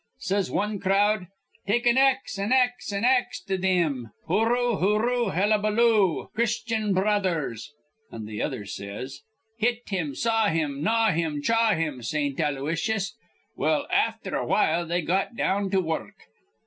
Says wan crowd: 'Take an ax, an ax, an ax to thim. Hooroo, hooroo, hellabaloo. Christyan Bro others!' an' th' other says, 'Hit thim, saw thim, gnaw thim, chaw thim, Saint Aloysius!' Well, afther awhile they got down to wurruk.